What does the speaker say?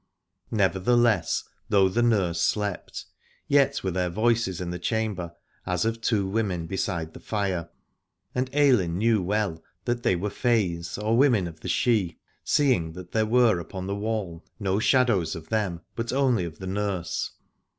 Nevertheless though the nurse slept, yet were there voices in the chamber, as of two women beside the fire : and Ailinn knew well that they were fays, or women of the Sidhe, seeing that there were upon the wall no shadows of them but only of the nurse.